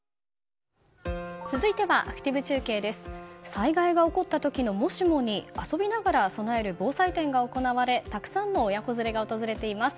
災害が起こった時のもしもに遊びながら備える防災展が行われたくさんの親子連れが訪れています。